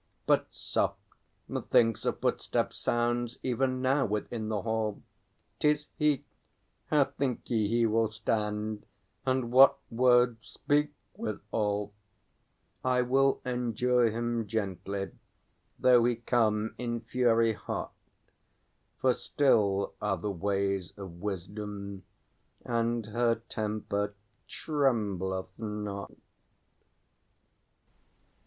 But soft, methinks a footstep sounds even now within the hall; 'Tis he; how think ye he will stand, and what words speak withal? I will endure him gently, though he come in fury hot. For still are the ways of Wisdom, and her temper trembleth not!